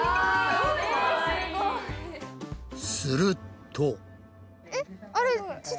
すると。